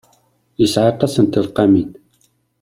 Yesɛa aṭas n tleqqamin.